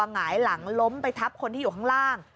หงายหลังล้มไปทับคนที่อยู่ข้างล่าง